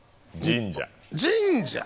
神社。